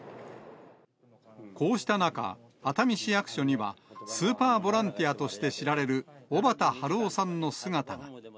こうした中、熱海市役所には、スーパーボランティアとして知られる、尾畠春夫さんの姿が。